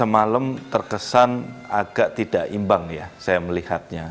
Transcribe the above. semalam terkesan agak tidak imbang ya saya melihatnya